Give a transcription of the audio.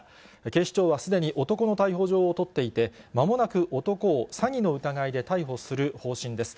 警視庁はすでに男の逮捕状を取っていて、まもなく男を詐欺の疑いで逮捕する方針です。